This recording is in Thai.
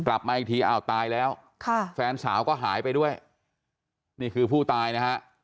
กลับมาอีกทีอ้าวตายแล้วค่ะแฟนสาวก็หายไปด้วยนี่คือผู้ตายนะฮะ